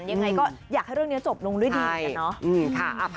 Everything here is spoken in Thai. ยังไงก็อยากให้เรื่องนี้จบลงด้วยดีเหมือนกันเนาะ